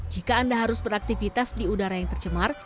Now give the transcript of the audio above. jika anda harus beraktivitas di udara yang tercemar